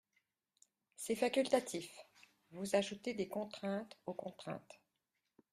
C’est facultatif ! Vous ajoutez des contraintes aux contraintes.